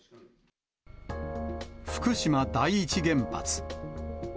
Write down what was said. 福島第一原発。